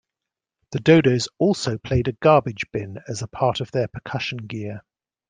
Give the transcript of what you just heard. The Dodos also played a garbage bin as a part of their percussion gear.